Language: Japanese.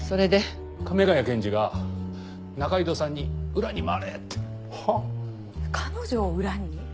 亀ヶ谷検事が仲井戸さんに「裏に回れ！」って。はあ？彼女を裏に？